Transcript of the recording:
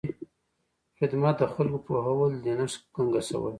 د ژبې خدمت د خلکو پوهول دي نه ګنګسول.